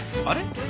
あれ？